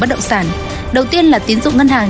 bất động sản đầu tiên là tiến dụng ngân hàng